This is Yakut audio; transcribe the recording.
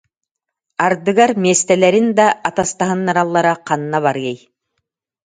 Ардыгар миэстэлэрин да атастаһыннараллара ханна барыай